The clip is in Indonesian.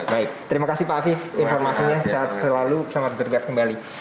baik terima kasih pak afif informasinya selalu sangat bergegas kembali